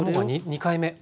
２回目。